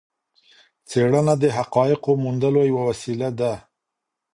څېړنه د حقایقو موندلو یوه وسيله ده.